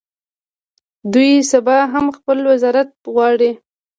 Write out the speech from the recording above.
دوی سبا هم خپل وزارت غواړي.